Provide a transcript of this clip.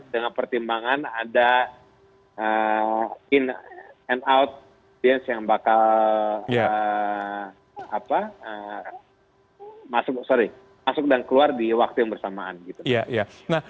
dengan pertimbangan ada in and out dance yang bakal masuk dan keluar di waktu yang bersamaan gitu